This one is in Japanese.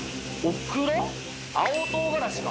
青唐辛子か。